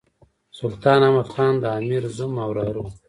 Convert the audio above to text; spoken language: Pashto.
سلطان احمد خان د امیر زوم او وراره وو.